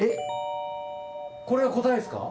┐叩これが答えですか？